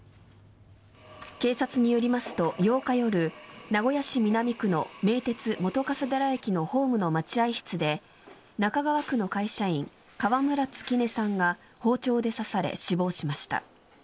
警察によりますと８日夜名古屋市南区の名鉄本笠寺駅のホームの待合室で中川区の会社員、川村月音さんが包丁で刺され死亡しました。